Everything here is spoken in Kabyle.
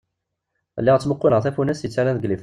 Lliɣ ttmuquleɣ tafunast yettarran deg liffeẓ.